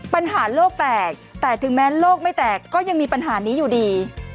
ปัญหาโลกแตกแต่ถึงแม้โลกไม่แตกก็ยังมีปัญหานี้อยู่ดี